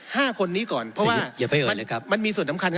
ห้าคนนี้ก่อนเพราะว่าอย่าไปเลยครับมันมีส่วนสำคัญ